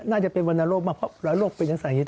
น่าจะเป็นวรรณโรคมากเพราะวรรณโรคเป็นอย่างสักอย่างนี้